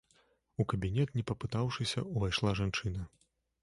У кабінет, не папытаўшыся, увайшла жанчына.